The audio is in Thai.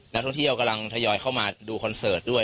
นักท่องเที่ยวกำลังทยอยเข้ามาดูคอนเสิร์ตด้วย